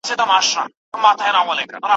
شمع به واخلي فاتحه د جهاني د نظم